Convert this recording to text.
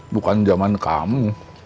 bukan zaman kamu